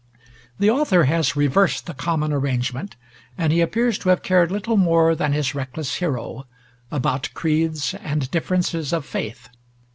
The author has reversed the common arrangement, and he appears to have cared little more than his reckless hero, about creeds and differences of faith.